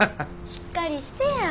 しっかりしてや。